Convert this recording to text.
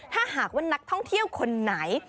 ถ้าหากว่านักท่องเที่ยวคนไหน